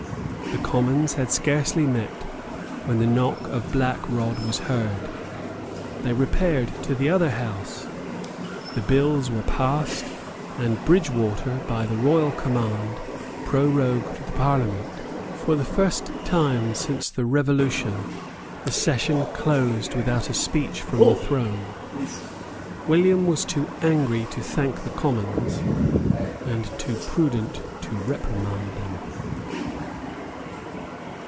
The Commons had scarcely met when the knock of Black Rod was heard. They repaired to the other House. The bills were passed; and Bridgewater, by the royal command, prorogued the Parliament. For the first time since the Revolution the session closed without a speech from the throne. William was too angry to thank the Commons, and too prudent to reprimand them.